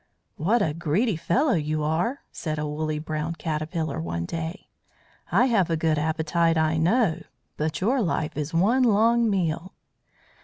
"What a greedy fellow you are!" said a woolly brown caterpillar one day. "I have a good appetite, I know, but your life is one long meal."